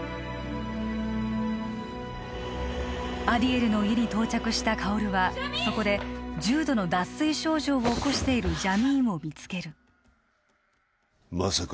アディエルの家に到着した薫はそこで重度の脱水症状を起こしているジャミーンを見つけるまさか